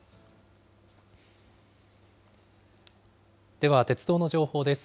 では鉄道の情報です。